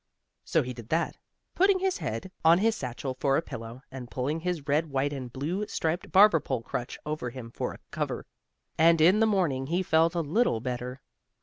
So he did that, putting his head on his satchel for a pillow and pulling his red white and blue striped barber pole crutch over him for a cover. And, in the morning, he felt a little better.